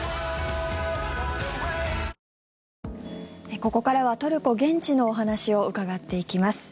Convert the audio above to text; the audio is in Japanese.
ここからはトルコ現地のお話を伺っていきます。